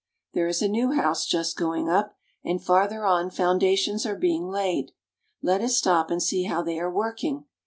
There is a new house just going up, and farther on foundations are being laid. Let us stop and see how they are working.